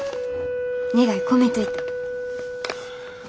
願い込めといた。